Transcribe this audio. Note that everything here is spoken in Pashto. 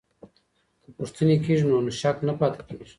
که پوښتني کېږي نو شک نه پاته کېږي.